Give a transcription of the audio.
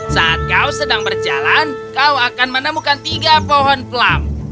saat kau sedang berjalan kau akan menemukan tiga pohon pelam